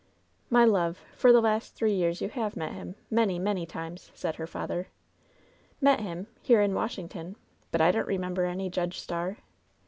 "My love, for the last three years you have met him many, many times," said her father. "Met him! — here, in Washington? But I donH re member any Judge Starr."